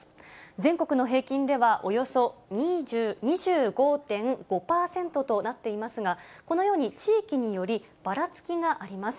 全国の平均では、およそ２５．５％となっていますが、このように、地域によりばらつきがあります。